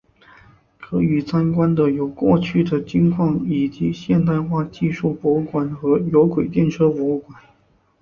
可以参观的有过去的金矿以及现代化的技术博物馆和有轨电车博物馆。